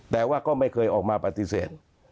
แต่ว่าก็ไม่เคยออกมาปฏิเสธ